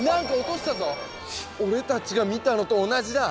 俺たちが見たのと同じだ！